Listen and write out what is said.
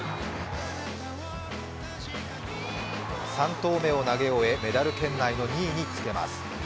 ３投目を投げ終えメダル圏内の２位につけます。